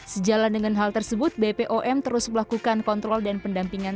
sejalan dengan hal tersebut bpom terus melakukan kontrol dan pendampingan